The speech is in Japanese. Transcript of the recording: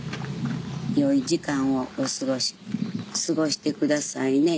良い時間を過ごして下さいね」。